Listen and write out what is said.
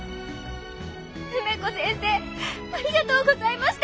梅子先生ありがとうございました！